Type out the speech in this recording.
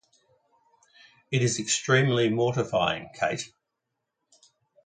It is extremely mortifying, Kate.